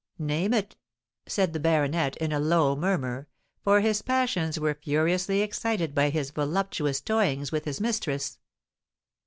"Name it," said the baronet, in a low murmur—for his passions were furiously excited by his voluptuous toyings with his mistress.